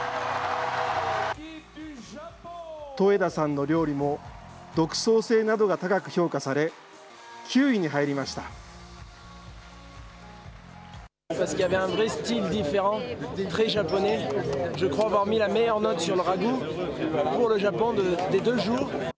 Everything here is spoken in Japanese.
戸枝さんの料理も、独創性などが高く評価され、９位に入りました。